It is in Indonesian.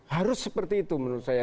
harus seperti itu menurut saya